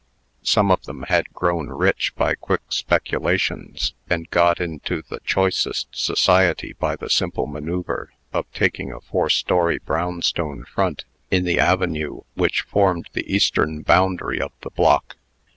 Some of them had grown rich by quick speculations, and got into the choicest society by the simple manoeuvre of taking a four story brownstone front in the avenue which formed the eastern boundary of the block.